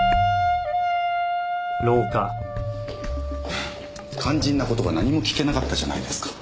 はぁ肝心な事が何も聞けなかったじゃないですか。